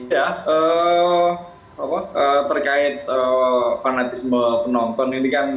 ya terkait fanatisme penonton ini kan